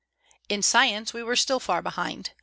In science we were still far behind.